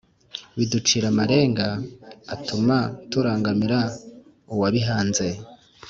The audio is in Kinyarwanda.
biducira amarenga atuma turangamira Uwabihanze.